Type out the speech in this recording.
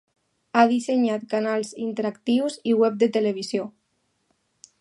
Ha dissenyat canals interactius i web de televisió.